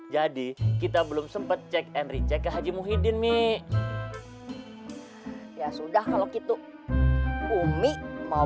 jadi kita belum sempet cek henry cek haji muhyiddin nih ya sudah kalau gitu umi mau